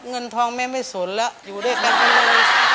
เงินทองแม่ไม่สนแล้วอยู่ด้วยกันทำไม